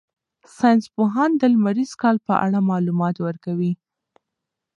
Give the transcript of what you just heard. ساینس پوهان د لمریز کال په اړه معلومات ورکوي.